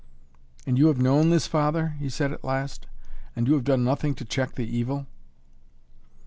"And you have known this, Father?" he said at last, "and you have done nothing to check the evil?"